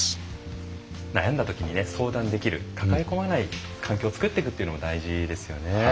悩んだときに相談できる抱え込まない環境を作っていくっていうのも大事ですよね。